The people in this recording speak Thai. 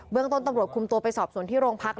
เรื่องต้นตำรวจคุมตัวไปสอบส่วนที่โรงพัก